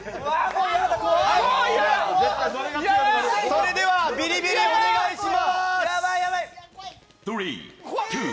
それではビリビリお願いします。